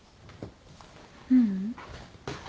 ううん。